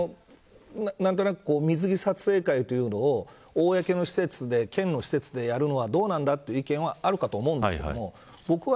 何となく、水着撮影会というのを公の施設で県の施設でやるのはどうなのかという意見はあるかと思うんですけど